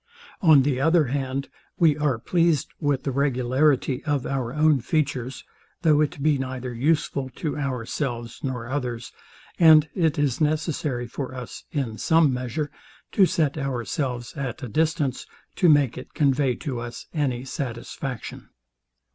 On the other hand, we are pleased with the regularity of our own features, though it be neither useful to ourselves nor others; and it is necessary at a distance, to make it convey to us any satisfaction.